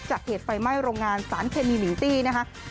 จากเหตุไฟไหม้โรงงานสารเคมิบินทีนะครับ